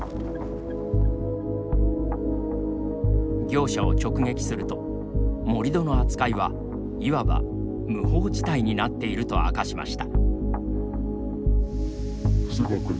業者を直撃すると盛り土の扱いはいわば無法地帯になっていると明かしました。